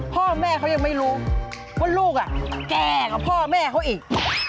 พ่อแม่เขายังไม่รู้ว่าลูกแก่กว่าพ่อแม่เขาอีก